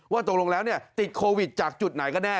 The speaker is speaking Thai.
ตกลงแล้วติดโควิดจากจุดไหนก็แน่